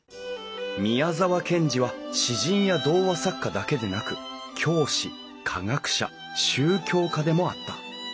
宮沢賢治は詩人や童話作家だけでなく教師科学者宗教家でもあった。